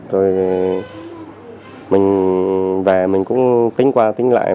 rồi mình về mình cũng tính qua tính lại